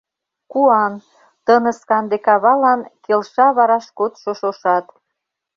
Куан — тыныс канде кавалан, Келша вараш кодшо шошат.